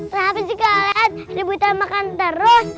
tapi jika kalian ributan makan terus